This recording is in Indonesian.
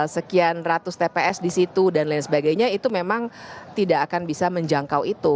sekian ratus tps di situ dan lain sebagainya itu memang tidak akan bisa menjangkau itu